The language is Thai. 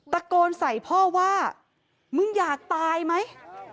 ตะโกนใส่พ่อว่ามึงอยากตายไหม